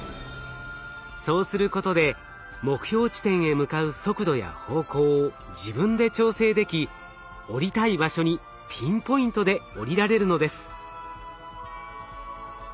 そうすることで目標地点へ向かう速度や方向を自分で調整でき降りたい場所にピンポイントで降りられるのです。